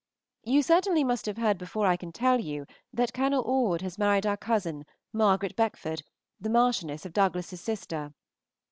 You certainly must have heard before I can tell you that Col. Orde has married our cousin Margt. Beckford, the Marchess. of Douglas's sister.